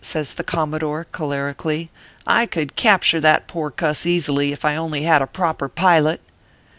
says the commodore, clioler ically, " I could capture that poor cuss easily, if I only had a proper pilot."